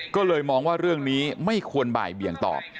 ก็เลยมองว่าเรื่องนี้ไม่ควรบ่ายเบี่ยงตอบ